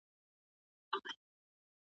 علمي پوهه د ټولنې د پرمختګ بنسټ دی.